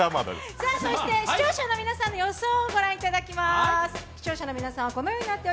視聴者の皆さんの予想をご覧いただきます。